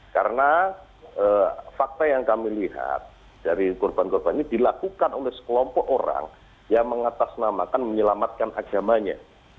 karena fakta yang kami lihat dari korban korban ini dilakukan oleh sekelompok orang yang mengatasnamakan menyelamatkan agamanya